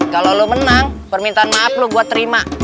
kalo lu menang permintaan maaf lu gue terima